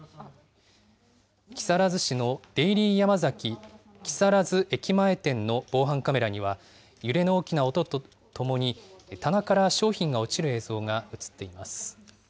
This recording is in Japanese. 木更津市のデイリーヤマザキ木更津駅前店の防犯カメラには、揺れの大きな音とともに棚から商品が落ちる映像が写っています。